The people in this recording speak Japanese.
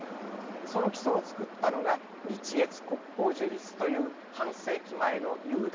その基礎を作ったのが日越国交樹立という半世紀前の勇断でありました。